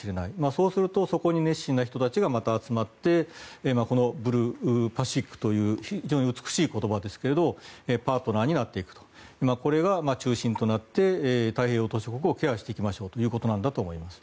そうするとそこに熱心な人たちがまた集まってこのブルーパシフィックという非常に美しい言葉ですがパートナーになっていくとこれが中心となって太平洋島しょ国をケアしていきましょうということなんだと思います。